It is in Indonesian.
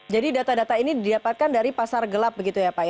jadi data data ini didapatkan dari pasar gelap begitu ya pak